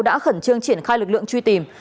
đã khẩn trương triển khai lực lượng truy tìm